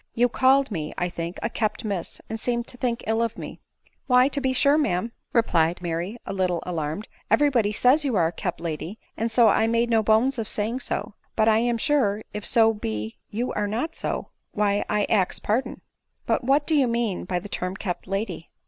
You called me, I think, a kept miss, and seemed to think ill of me." " Why, to be sure, ma'aip," replied Mary, a little alarmed —'.' every body says you are a kept lady, and so I made no bones of saying so ; but I am sure if so be you are not so, why I ax pardon." " But what do you mean by the term kept lady